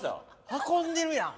運んでるやん！